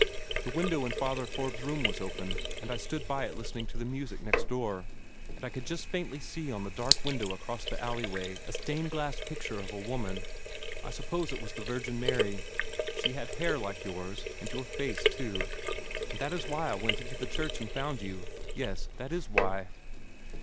The window in Father Forbes' room was open, and I stood by it listening to the music next door, and I could just faintly see on the dark window across the alley way a stained glass picture of a woman. I suppose it was the Virgin Mary. She had hair like yours, and your face, too; and that is why I went into the church and found you. Yes, that is why."